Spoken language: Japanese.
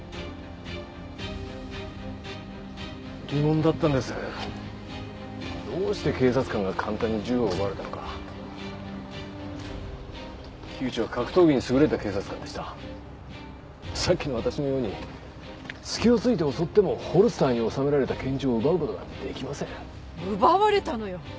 疑問だったんですどうして警察官が簡単に銃を奪われたのか木内は格闘技に優れた警察官でしたさっきの私のように隙を突いて襲ってもホルスターに収められた拳銃を奪うことなんてできません奪われたのよ